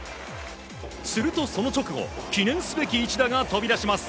すると、その直後記念すべき一打が飛び出します。